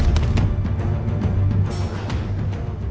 lalu bagaimana dengan mario dendy usai sida